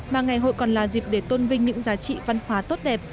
mà ngày hội còn là dịp để tôn vinh những giá trị văn hóa tốt đẹp